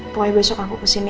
pokoknya besok aku kesini